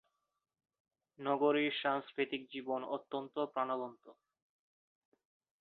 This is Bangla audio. নগরীর সাংস্কৃতিক জীবন অত্যন্ত প্রাণবন্ত।